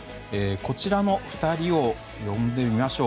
こちらの２人を呼んでみましょう。